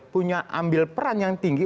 punya ambil peran yang tinggi